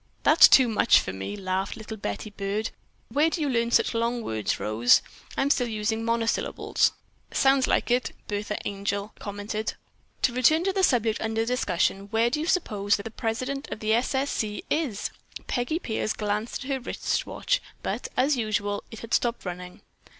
"That's too much for me!" laughed little Betty Byrd. "Where do you learn such long words, Rose? I'm still using monosyllables." "Sounds like it!" Bertha Angel commented. "To return to the subject under discussion, where do you suppose the president of the 'S. S. C.' is?" Peggy Pierce glanced at her wrist watch, but, as usual, it had stopped running.